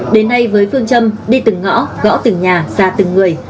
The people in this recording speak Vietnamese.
đến nay với phương châm đi từng ngõ gõ từng nhà ra từng người